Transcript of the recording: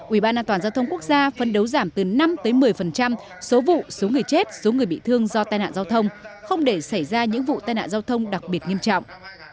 ủy ban an toàn giao thông quốc gia phân đấu giảm từ năm một mươi số vụ số người chết số người bị thương do tai nạn giao thông không để xảy ra những vụ tai nạn giao thông đặc biệt nghiêm trọng